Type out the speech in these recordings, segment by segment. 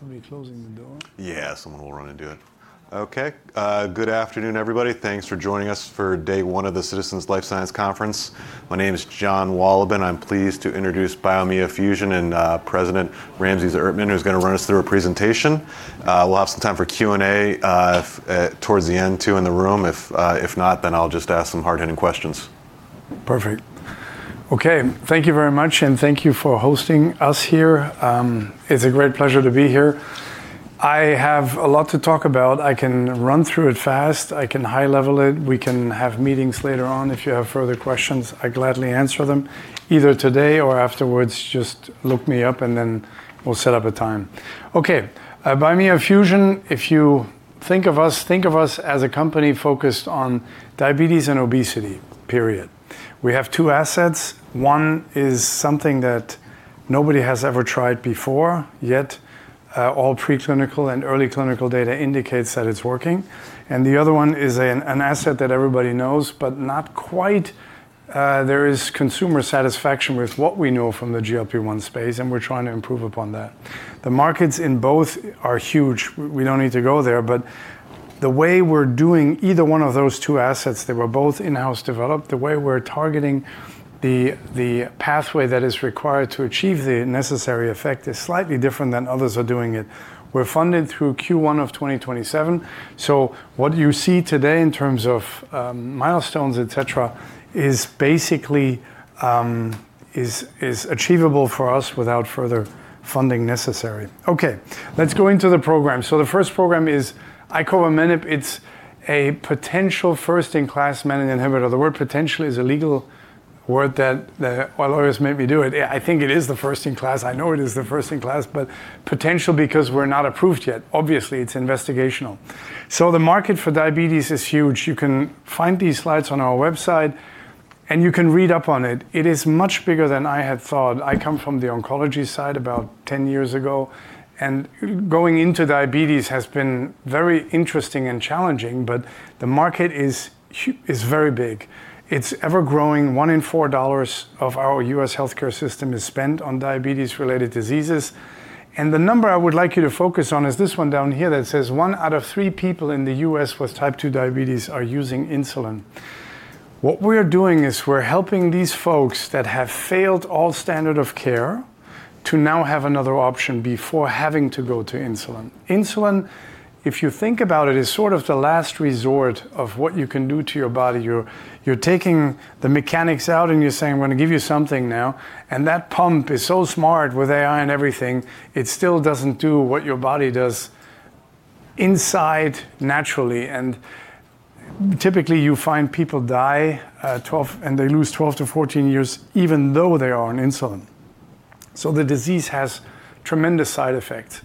Is somebody closing the door? Yeah, someone will run and do it. Okay, good afternoon, everybody. Thanks for joining us for day one of the Citizens Life Sciences Conference. My name is Jon Wolleben. I'm pleased to introduce Biomea Fusion and President Ramses Erdtmann, who's gonna run us through a presentation. We'll have some time for Q&A towards the end too in the room. If not, I'll just ask some hard-hitting questions. Perfect. Okay, thank you very much, and thank you for hosting us here. It's a great pleasure to be here. I have a lot to talk about. I can run through it fast. I can high-level it. We can have meetings later on if you have further questions. I'll gladly answer them either today or afterwards. Just look me up, and then we'll set up a time. Okay. Biomea Fusion, if you think of us, think of us as a company focused on diabetes and obesity, period. We have two assets. One is something that nobody has ever tried before, yet, all pre-clinical and early clinical data indicates that it's working. The other one is an asset that everybody knows, but not quite, there is consumer satisfaction with what we know from the GLP-1 space, and we're trying to improve upon that. The markets in both are huge. We don't need to go there. The way we're doing either one of those two assets, they were both in-house developed. The way we're targeting the pathway that is required to achieve the necessary effect is slightly different than others are doing it. We're funded through Q1 of 2027, so what you see today in terms of milestones, et cetera, is basically achievable for us without further funding necessary. Okay, let's go into the program. The first program is icovamenib. It's a potential first-in-class menin inhibitor. The word potential is a legal word that the lawyers made me do it. Yeah, I think it is the first in class. I know it is the first in class, but potentially because we're not approved yet. Obviously, it's investigational. The market for diabetes is huge. You can find these slides on our website, and you can read up on it. It is much bigger than I had thought. I come from the oncology side about 10 years ago, and going into diabetes has been very interesting and challenging. The market is very big. It's ever-growing. $1 in $4 of our U.S. healthcare system is spent on diabetes-related diseases. The number I would like you to focus on is this one down here that says one out of three people in the U.S. with Type 2 diabetes are using insulin. What we're doing is we're helping these folks that have failed all standard of care to now have another option before having to go to insulin. Insulin, if you think about it, is sort of the last resort of what you can do to your body. You're taking the mechanics out, and you're saying, "I'm going to give you something now." That pump is so smart with AI and everything, it still doesn't do what your body does inside naturally. Typically, you find people die, and they lose 12 years-14 years even though they are on insulin. The disease has tremendous side effects.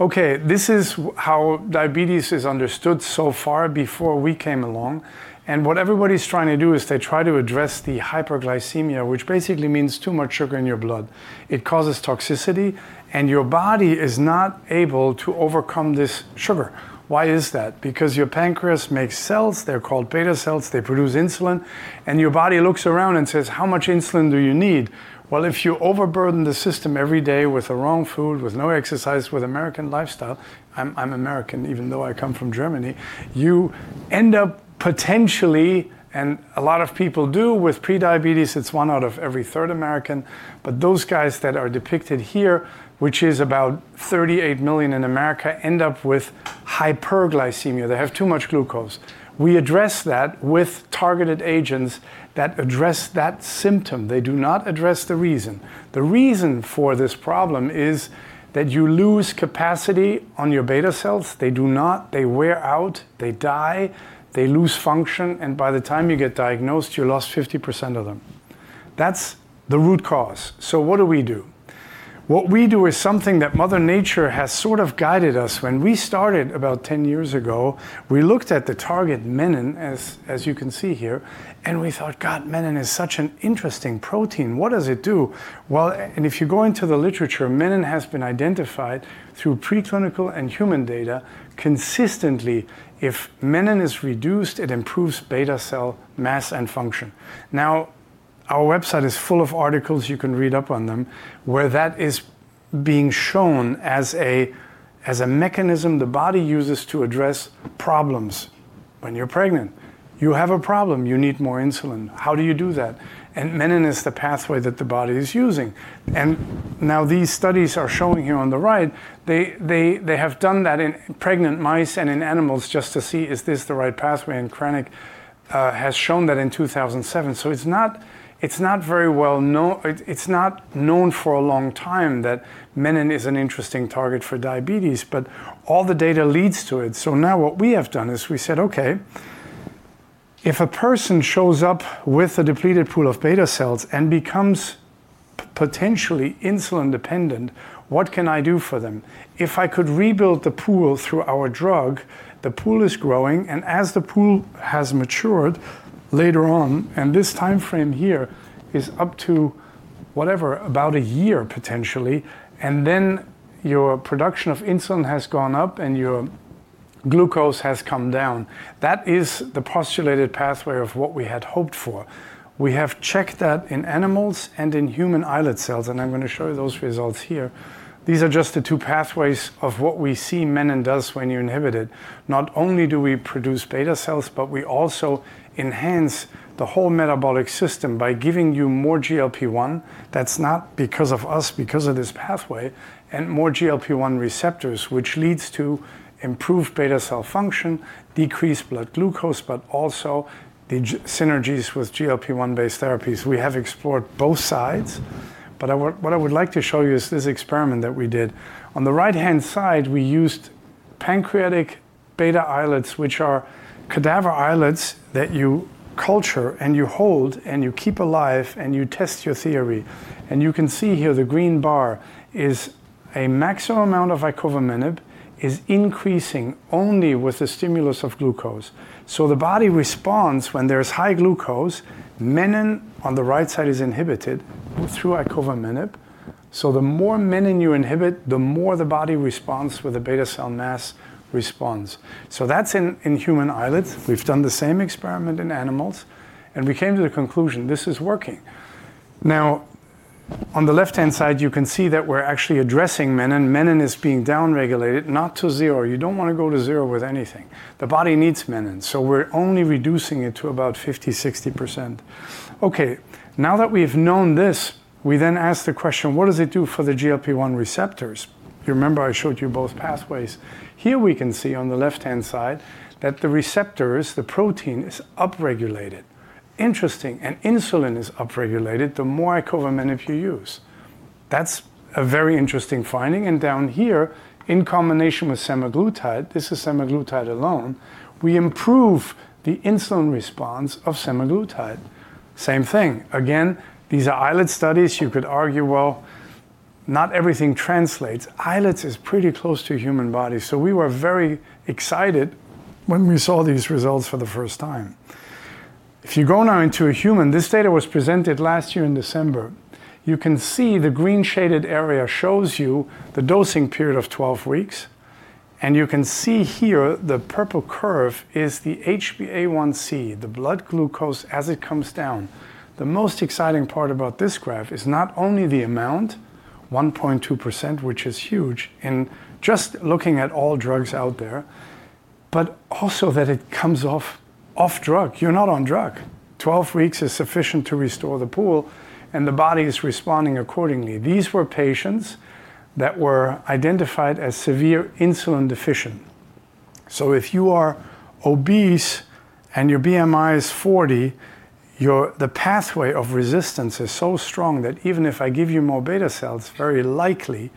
Okay, this is how diabetes is understood so far before we came along. What everybody's trying to do is they try to address the hyperglycemia, which basically means too much sugar in your blood. It causes toxicity, and your body is not able to overcome this sugar. Why is that? Because your pancreas makes cells, they're called beta cells, they produce insulin, and your body looks around and says, "How much insulin do you need?" Well, if you overburden the system every day with the wrong food, with no exercise, with American lifestyle, I'm American even though I come from Germany, you end up potentially, and a lot of people do with prediabetes, it's one out of every third American, but those guys that are depicted here, which is about 38 million in America, end up with hyperglycemia. They have too much glucose. We address that with targeted agents that address that symptom. They do not address the reason. The reason for this problem is that you lose capacity on your beta cells. They do not. They wear out, they die, they lose function, and by the time you get diagnosed, you lost 50% of them. That's the root cause. What do we do? What we do is something that mother nature has sort of guided us. When we started about 10 years ago, we looked at the target menin, as you can see here, and we thought, "God, menin is such an interesting protein. What does it do?" Well, if you go into the literature, menin has been identified through pre-clinical and human data consistently. If menin is reduced, it improves beta cell mass and function. Now, our website is full of articles, you can read up on them, where that is being shown as a mechanism the body uses to address problems when you're pregnant. You have a problem, you need more insulin. How do you do that? Menin is the pathway that the body is using. Now these studies are showing here on the right, they have done that in pregnant mice and in animals just to see, is this the right pathway? Karnik has shown that in 2007. It's not very well known. It's not known for a long time that menin is an interesting target for diabetes, but all the data leads to it. Now what we have done is we said, "Okay, if a person shows up with a depleted pool of beta cells and becomes potentially insulin dependent, what can I do for them?" If I could rebuild the pool through our drug, the pool is growing, and as the pool has matured later on, and this time frame here is up to whatever, about a year potentially, and then your production of insulin has gone up, and your glucose has come down. That is the postulated pathway of what we had hoped for. We have checked that in animals and in human islet cells, and I'm going to show you those results here. These are just the two pathways of what we see menin does when you inhibit it. Not only do we produce beta cells, but we also enhance the whole metabolic system by giving you more GLP-1. That's not because of us, because of this pathway, and more GLP-1 receptors, which leads to improved beta cell function, decreased blood glucose, but also the synergies with GLP-1 based therapies. We have explored both sides, but what I would like to show you is this experiment that we did. On the right-hand side, we used pancreatic beta islets, which are cadaver islets that you culture and you hold and you keep alive, and you test your theory. You can see here the green bar is a maximum amount of icovamenib is increasing only with the stimulus of glucose. The body responds when there is high glucose. Menin on the right side is inhibited through icovamenib. The more menin you inhibit, the more the body responds with the beta cell mass responds. That's in human islets. We've done the same experiment in animals, and we came to the conclusion this is working. Now, on the left-hand side, you can see that we're actually addressing menin. Menin is being downregulated, not to zero. You don't want to go to zero with anything. The body needs menin. We're only reducing it to about 50%, 60%. Okay, now that we've known this, we then ask the question, what does it do for the GLP-1 receptors? You remember I showed you both pathways. Here we can see on the left-hand side that the receptors, the protein, is upregulated. Interesting. Insulin is upregulated the more icovamenib you use. That's a very interesting finding. Down here in combination with semaglutide, this is semaglutide alone, we improve the insulin response of semaglutide. Same thing. Again, these are islet studies. You could argue, well, not everything translates. Islets is pretty close to human body, so we were very excited when we saw these results for the first time. If you go now into a human, this data was presented last year in December. You can see the green shaded area shows you the dosing period of 12 weeks, and you can see here the purple curve is the HbA1c, the blood glucose, as it comes down. The most exciting part about this graph is not only the amount, 1.2%, which is huge in just looking at all drugs out there, but also that it comes off drug. You're not on drug. 12 weeks is sufficient to restore the pool, and the body is responding accordingly. These were patients that were identified as severe insulin deficient. If you are obese and your BMI is 40, the pathway of resistance is so strong that even if I give you more beta cells, very likely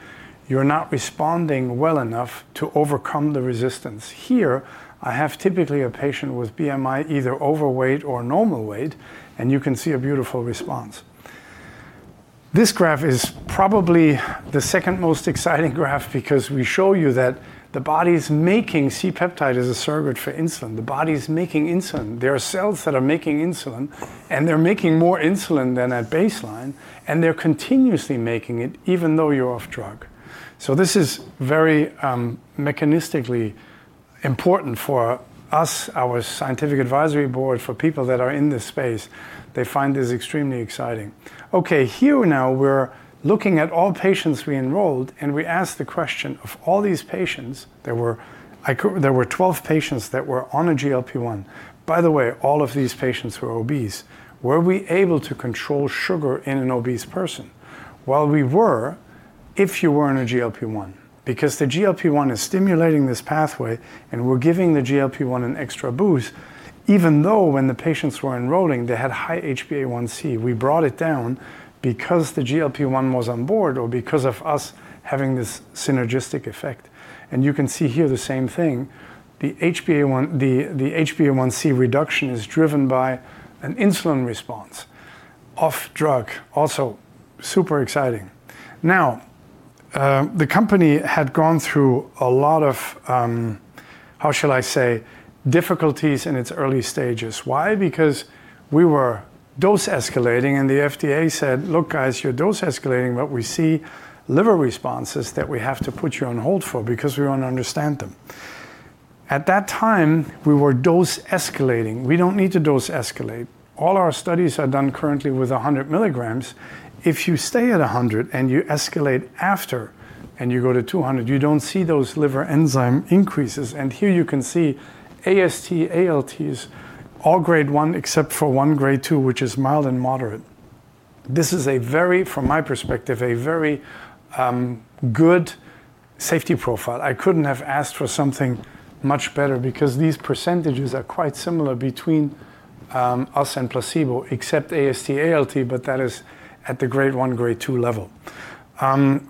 you're not responding well enough to overcome the resistance. Here I have typically a patient with BMI either overweight or normal weight, and you can see a beautiful response. This graph is probably the second most exciting graph because we show you that the body is making C-peptide as a surrogate for insulin. The body is making insulin. There are cells that are making insulin, and they're making more insulin than at baseline, and they're continuously making it even though you're off drug. This is very, mechanistically important for us, our scientific advisory board, for people that are in this space. They find this extremely exciting. Okay, here now we're looking at all patients we enrolled, and we ask the question, of all these patients, there were 12 patients that were on a GLP-1. By the way, all of these patients were obese. Were we able to control sugar in an obese person? Well, we were if you were on a GLP-1, because the GLP-1 is stimulating this pathway and we're giving the GLP-1 an extra boost, even though when the patients were enrolling, they had high HbA1c. We brought it down because the GLP-1 was on board or because of us having this synergistic effect. You can see here the same thing. The HbA1c reduction is driven by an insulin response off drug. Also super exciting. Now, the company had gone through a lot of, how shall I say, difficulties in its early stages. Why? Because we were dose escalating and the FDA said, "Look, guys, you're dose escalating, but we see liver responses that we have to put you on hold for because we don't understand them." At that time, we were dose escalating. We don't need to dose escalate. All our studies are done currently with 100 milligrams. If you stay at 100 milligrams and you escalate after and you go to 200 milligrams, you don't see those liver enzyme increases. Here you can see AST, ALT, all Grade I except for one Grade II, which is mild and moderate. This is a very, from my perspective, good safety profile. I couldn't have asked for something much better because these percentages are quite similar between us and placebo, except AST, ALT, but that is at the Grade I, Grade II level.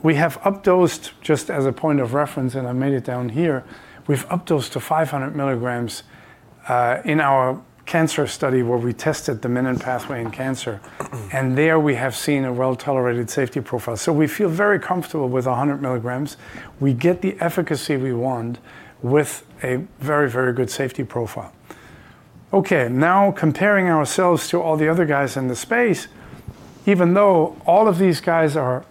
We have updosed, just as a point of reference, and I made it down here, we've updosed to 500 milligrams in our cancer study where we tested the menin pathway in cancer. There we have seen a well-tolerated safety profile. We feel very comfortable with 100 milligrams. We get the efficacy we want with a very, very good safety profile. Okay, now comparing ourselves to all the other guys in the space, even though all of these guys are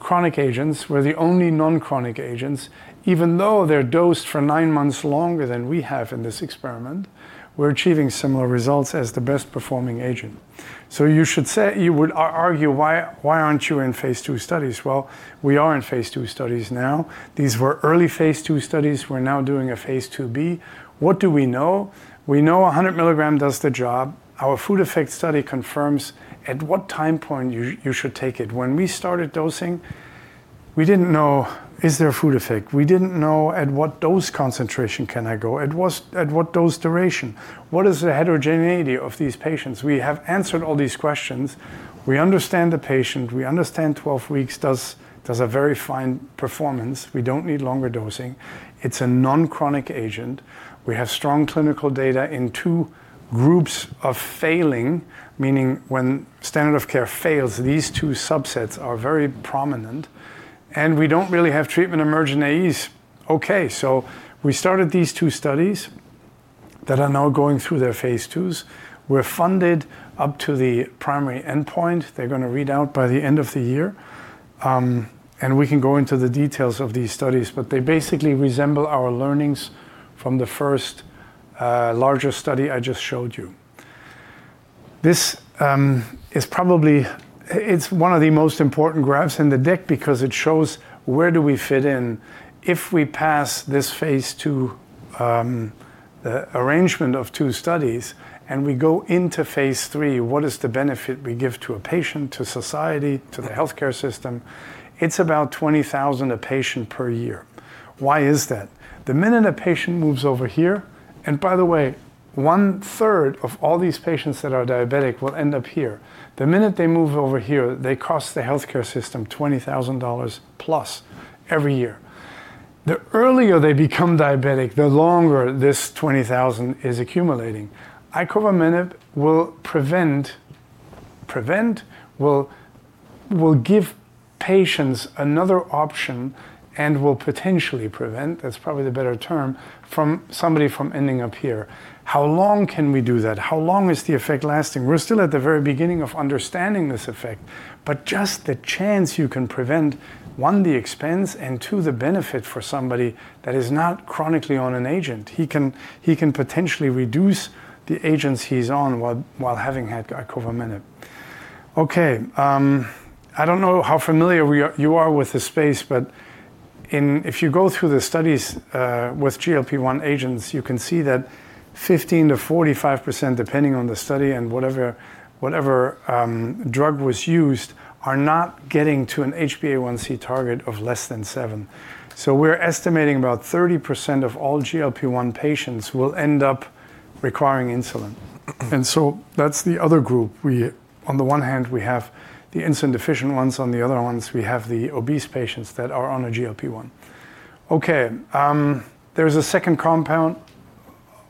chronic agents, we're the only non-chronic agents. Even though they're dosed for nine months longer than we have in this experiment, we're achieving similar results as the best-performing agent. You should say you would argue, "Why aren't you in phase II studies?" Well, we are in phase II studies now. These were early phase II studies. We're now doing a phase IIb. What do we know? We know 100 milligram does the job. Our food effect study confirms at what time point you should take it. When we started dosing, we didn't know, is there a food effect? We didn't know at what dose concentration can I go? At what dose duration? What is the heterogeneity of these patients? We have answered all these questions. We understand the patient. We understand 12 weeks does a very fine performance. We don't need longer dosing. It's a non-chronic agent. We have strong clinical data in two groups of failing, meaning when standard of care fails, these two subsets are very prominent. We don't really have treatment-emergent AEs. Okay, so we started these two studies that are now going through their phase II's. We're funded up to the primary endpoint. They're gonna read out by the end of the year, and we can go into the details of these studies, but they basically resemble our learnings from the first larger study I just showed you. This is probably one of the most important graphs in the deck because it shows where do we fit in. If we pass this phase II advancement of two studies, and we go into phase III, what is the benefit we give to a patient, to society, to the healthcare system? It's about $20,000 a patient per year. Why is that? The minute a patient moves over here, and by the way, 1/3 of all these patients that are diabetic will end up here. The minute they move over here, they cost the healthcare system $20,000+ every year. The earlier they become diabetic, the longer this $20,000 is accumulating. Icovamenib will prevent will give patients another option and will potentially prevent, that's probably the better term, from somebody from ending up here. How long can we do that? How long is the effect lasting? We're still at the very beginning of understanding this effect, but just the chance you can prevent, one, the expense and two, the benefit for somebody that is not chronically on an agent. He can potentially reduce the agents he's on while having had icovamenib. Okay, I don't know how familiar you are with this space, but if you go through the studies with GLP-1 agents, you can see that 15%-45%, depending on the study and whatever drug was used, are not getting to an HbA1c target of less than seven. We're estimating about 30% of all GLP-1 patients will end up requiring insulin. That's the other group. On the one hand, we have the insulin-deficient ones. On the other ones, we have the obese patients that are on a GLP-1. Okay, there's a second compound.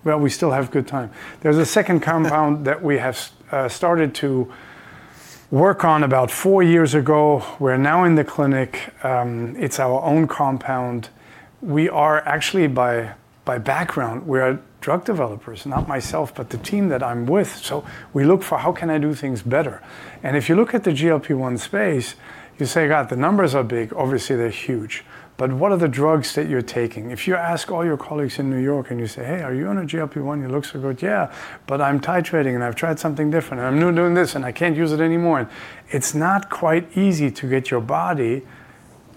Well, we still have good time. There's a second compound that we have started to work on about four years ago. We're now in the clinic. It's our own compound. We are actually our background, we are drug developers, not myself, but the team that I'm with. So we look for how can I do things better. If you look at the GLP-1 space, you say, "God, the numbers are big." Obviously, they're huge. What are the drugs that you're taking? If you ask all your colleagues in New York and you say, "Hey, are you on a GLP-1? It looks so good." "Yeah, but I'm titrating, and I've tried something different, and I'm not doing this, and I can't use it anymore." It's not quite easy to get your body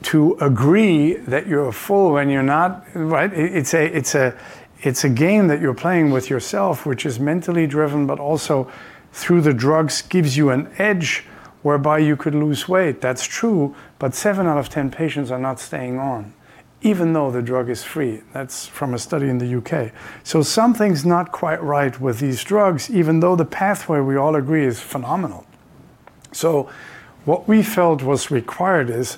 to agree that you're full when you're not, right? It's a game that you're playing with yourself, which is mentally driven, but also through the drugs, gives you an edge whereby you could lose weight. That's true, but seven out of ten patients are not staying on, even though the drug is free. That's from a study in the U.K. Something's not quite right with these drugs, even though the pathway we all agree is phenomenal. What we felt was required is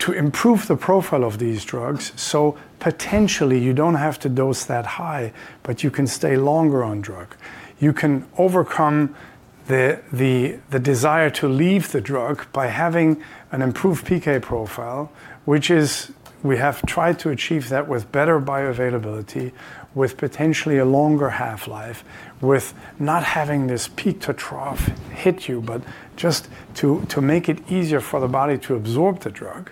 to improve the profile of these drugs, so potentially you don't have to dose that high, but you can stay longer on drug. You can overcome the desire to leave the drug by having an improved PK profile, which is we have tried to achieve that with better bioavailability, with potentially a longer half-life, with not having this peak to trough hit you, but just to make it easier for the body to absorb the drug.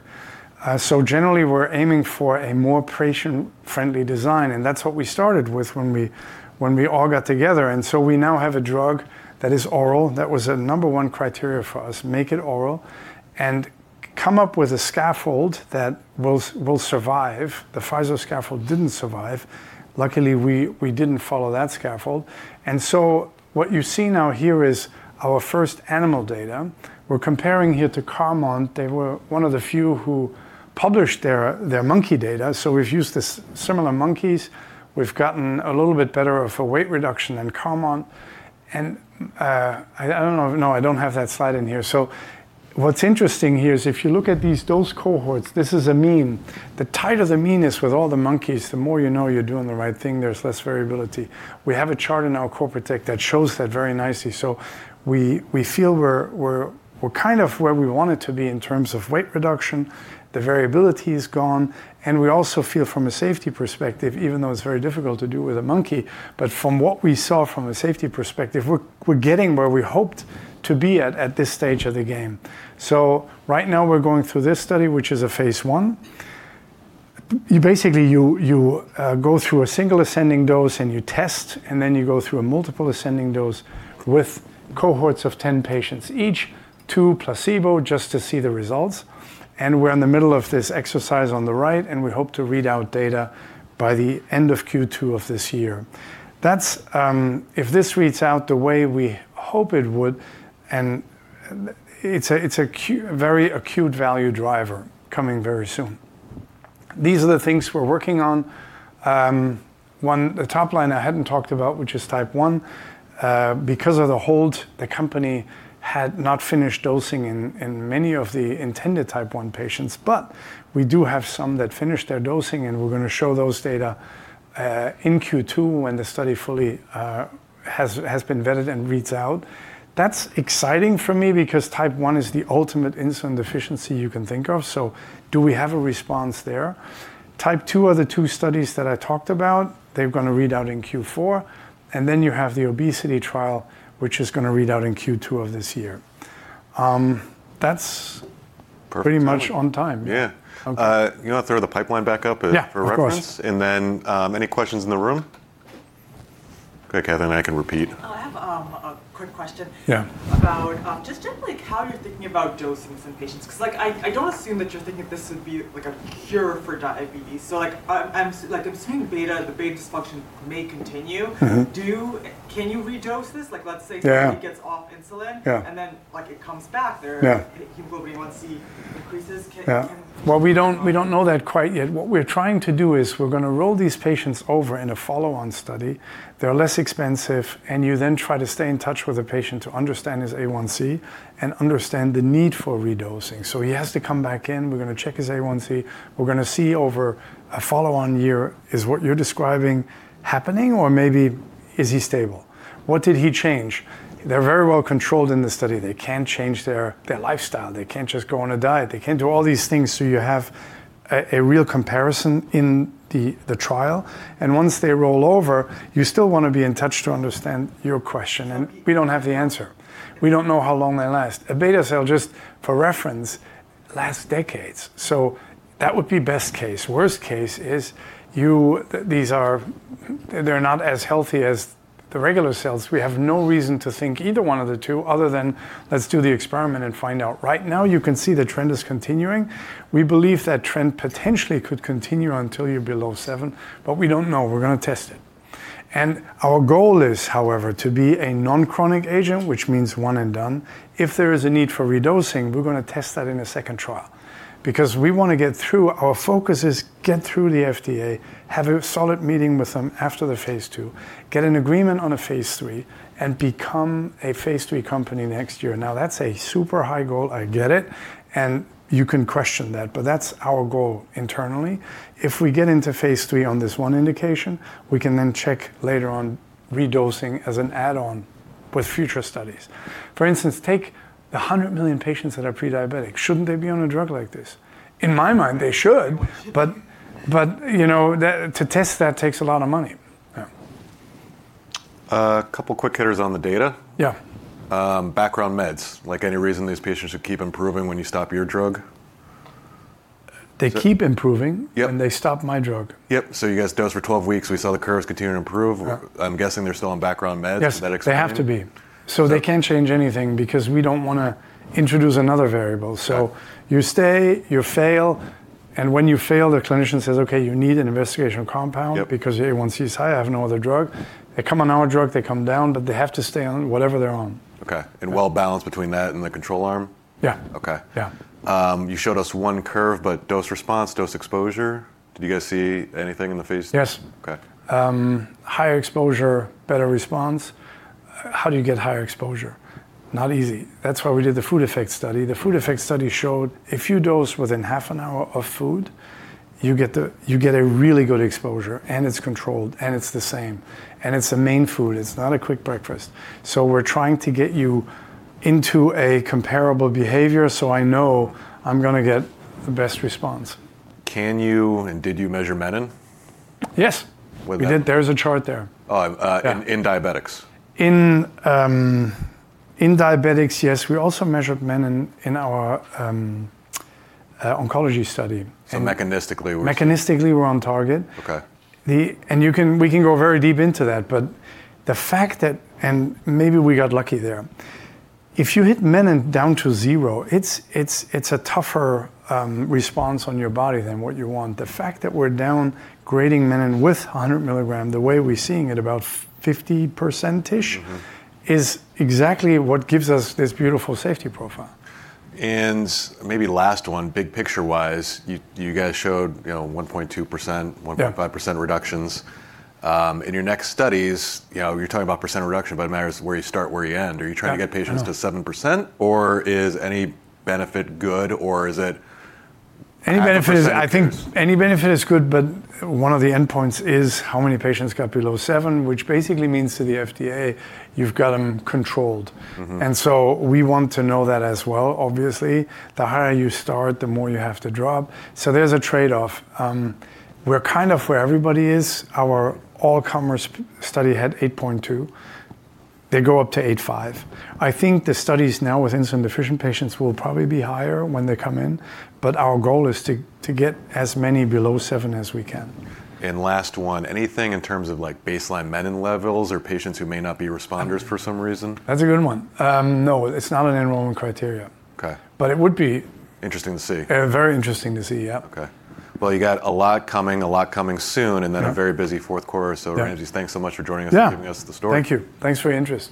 So generally, we're aiming for a more patient-friendly design, and that's what we started with when we all got together. We now have a drug that is oral. That was a number one criteria for us, make it oral, and come up with a scaffold that will survive. The Pfizer scaffold didn't survive. Luckily, we didn't follow that scaffold. What you see now here is our first animal data. We're comparing here to Carmot. They were one of the few who published their monkey data. We've used these similar monkeys. We've gotten a little bit better of a weight reduction than Carmot. I don't know. No, I don't have that slide in here. What's interesting here is if you look at those cohorts, this is a mean. The tighter the mean is with all the monkeys, the more you know you're doing the right thing, there's less variability. We have a chart in our corporate deck that shows that very nicely. We feel we're kind of where we wanted to be in terms of weight reduction. The variability is gone. We also feel from a safety perspective, even though it's very difficult to do with a monkey, but from what we saw from a safety perspective, we're getting where we hoped to be at this stage of the game. Right now we're going through this study, which is a phase I. You basically, you go through a single ascending dose and you test, and then you go through a multiple ascending dose with cohorts of 10 patients each, two placebo just to see the results, and we're in the middle of this exercise on the right, and we hope to read out data by the end of Q2 of this year. That's. If this reads out the way we hope it would, and it's a very acute value driver coming very soon. These are the things we're working on. One, the top line I hadn't talked about, which is Type I. Because of the hold, the company had not finished dosing in many of the intended Type I patients. We do have some that finished their dosing, and we're gonna show those data in Q2 when the study fully has been vetted and reads out. That's exciting for me because Type I is the ultimate insulin deficiency you can think of, so do we have a response there? Type II are the two studies that I talked about. They're gonna read out in Q4. Then you have the obesity trial, which is gonna read out in Q2 of this year. That's. Perfect timing. Pretty much on time. Yeah. Okay. You wanna throw the pipeline back up. Yeah for reference? Of course. Any questions in the room? Okay, Catherine, I can repeat. Oh, I have a quick question. Yeah about just generally how you're thinking about dosing some patients 'cause, like, I don't assume that you're thinking this would be, like, a cure for diabetes, so, like, I'm like assuming the beta dysfunction may continue. Mm-hmm. Can you redose this? Like, let's say. Yeah Somebody gets off insulin. Yeah Like, it comes back. There are- Yeah HbA1c increases. Can Yeah. Well, we don't know that quite yet. What we're trying to do is we're gonna roll these patients over in a follow-on study. They're less expensive, and you then try to stay in touch with a patient to understand his A1C and understand the need for redosing. He has to come back in. We're gonna check his A1C. We're gonna see over a follow-on year is what you're describing happening, or maybe is he stable? What did he change? They're very well controlled in the study. They can't change their lifestyle. They can't just go on a diet. They can't do all these things, so you have a real comparison in the trial. Once they roll over, you still wanna be in touch to understand your question, and we don't have the answer. We don't know how long they last. A beta cell, just for reference, lasts decades, so that would be best case. Worst case is these are, they're not as healthy as the regular cells. We have no reason to think either one of the two other than let's do the experiment and find out. Right now, you can see the trend is continuing. We believe that trend potentially could continue until you're below seven, but we don't know. We're gonna test it. Our goal is, however, to be a non-chronic agent, which means one and done. If there is a need for redosing, we're gonna test that in a second trial because we want to get through. Our focus is get through the FDA, have a solid meeting with them after the phase II, get an agreement on a phase III, and become a phase III company next year. Now, that's a super high goal, I get it, and you can question that, but that's our goal internally. If we get into Phase III on this one indication, we can then check later on redosing as an add-on with future studies. For instance, take the 100 million patients that are prediabetic. Shouldn't they be on a drug like this? In my mind, they should. But, you know, that, to test that takes a lot of money. Yeah. A couple quick hitters on the data. Yeah. Background meds, like any reason these patients would keep improving when you stop your drug? They keep improving. Yep when they stop my drug. Yep. You guys dose for 12 weeks. We saw the curves continue to improve. Yeah. I'm guessing they're still on background meds. Yes. Medics- They have to be. Okay. They can't change anything because we don't wanna introduce another variable. Okay. You stay, you fail, and when you fail, the clinician says, "Okay, you need an investigational compound- Yep Because your A1C is high, I have no other drug." They come on our drug, they come down, but they have to stay on whatever they're on. Okay. Well-balanced between that and the control arm? Yeah. Okay. Yeah. You showed us one curve, but dose response, dose exposure, did you guys see anything in the phase- Yes. Okay. Higher exposure, better response. How do you get higher exposure? Not easy. That's why we did the food effect study. The food effect study showed if you dose within 1/2 an hour of food, you get a really good exposure, and it's controlled, and it's the same, and it's a main food, it's not a quick breakfast. We're trying to get you into a comparable behavior so I know I'm gonna get the best response. Can you and did you measure menin? Yes. With the- We did. There's a chart there. Oh, in diabetics? In diabetics, yes. We also measured menin in our oncology study. Mechanistically we're Mechanistically, we're on target. Okay. You can, we can go very deep into that, but the fact that, and maybe we got lucky there, if you hit menin down to zero, it's a tougher response on your body than what you want. The fact that we're downgrading menin with 100 milligram, the way we're seeing it about 50%ish- Mm-hmm is exactly what gives us this beautiful safety profile. Maybe last one, big picture-wise, you guys showed, you know, 1.2%. Yeah 1.5% reductions. In your next studies, you know, you're talking about percent reduction, but it matters where you start, where you end. Yeah. Are you trying to get patients to 7%, or is any benefit good, or is it? Any benefit is. 1/2 a percentage is. I think any benefit is good, but one of the endpoints is how many patients got below seven, which basically means to the FDA you've got them controlled. Mm-hmm. We want to know that as well, obviously. The higher you start, the more you have to drop, so there's a trade-off. We're kind of where everybody is. Our all comers p-study had eight point two. They go up to eight point five. I think the studies now with insulin deficient patients will probably be higher when they come in, but our goal is to get as many below seven as we can. Last one, anything in terms of, like, baseline menin levels or patients who may not be responders for some reason? That's a good one. No, it's not an enrollment criteria. Okay. It would be. Interesting to see. Very interesting to see. Yeah. Okay. Well, you got a lot coming soon. Yeah. A very busy Q4. Yeah. Ramses, thanks so much for joining us. Yeah giving us the story. Thank you. Thanks for your interest.